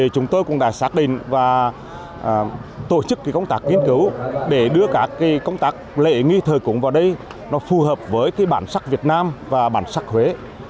chúng tôi cũng đã xác định và tổ chức công tác nghiên cứu để đưa các công tác lễ nghi thời cúng vào đây nó phù hợp với bản sắc việt nam và bản sắc huế